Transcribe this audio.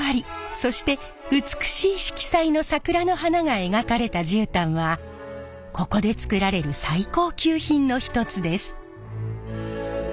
そして美しい色彩の桜の花が描かれた絨毯はここで作られる最高級品の一つです。